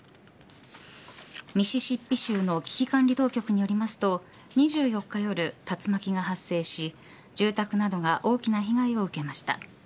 ミシシッピ州の危機管理当局によりますと２４日夜、竜巻が発生し住宅などが大きな被害を受けました。